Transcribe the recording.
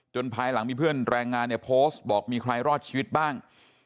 ภายหลังมีเพื่อนแรงงานเนี่ยโพสต์บอกมีใครรอดชีวิตบ้าง